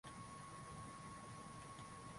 kutokana na namna inavyozali